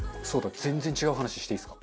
全然違う話していいですか？